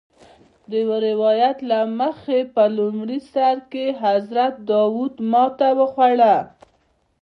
د یو روایت له مخې په لومړي سر کې حضرت داود ماتې وخوړه.